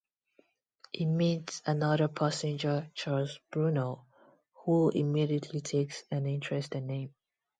He meets another passenger, Charles Bruno, who immediately takes an interest in him.